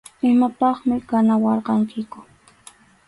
Imapaqmi kanawarqankiku.